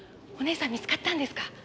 お姉さん見つかったんですか？